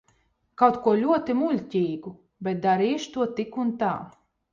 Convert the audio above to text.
Kaut ko ļoti muļķīgu, bet darīšu to tik un tā.